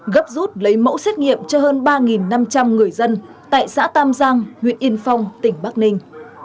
gấp rút lấy mẫu xét nghiệm cho hơn ba năm trăm linh người dân tại xã tam giang huyện yên phong tỉnh bắc ninh